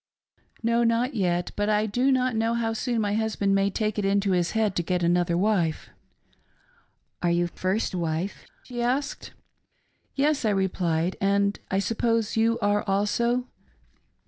" No, not yet, but I do not know how soon my husband may take it into his head to get another wife." " Are you first wife .''" she asked. " Yes," I replied, " and I suppose you are also